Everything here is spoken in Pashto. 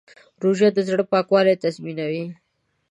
روژه د زړه پاکوالی تضمینوي.